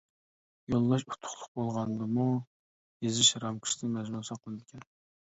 يوللاش ئۇتۇقلۇق بولغاندىمۇ يېزىش رامكىسىدا مەزمۇن ساقلىنىدىكەن.